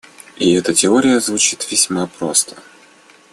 И эта теория звучит весьма просто.